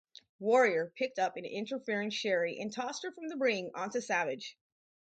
Warrior picked up an interfering Sherri and tossed her from the ring onto Savage.